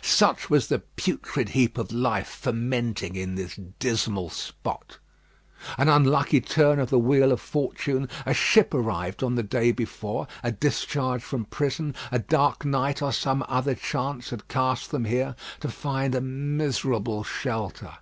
Such was the putrid heap of life fermenting in this dismal spot. An unlucky turn of the wheel of fortune, a ship arrived on the day before, a discharge from prison, a dark night, or some other chance, had cast them here, to find a miserable shelter.